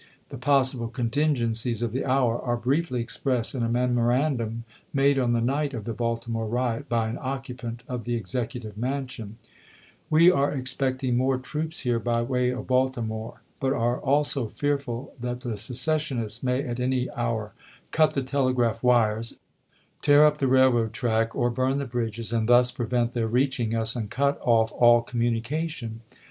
The possible contingencies of the hour are briefly expressed in a memorandum made on the night of the Baltimore riot by an occupant of the Execu tive Mansion : We are expecting more troops here by way of Balti more, but are also fearful that the secessionists may at any hour cut the telegraph wires, tear up the railroad track, or burn the bridges, and thus prevent their reaching us and cut off all communication.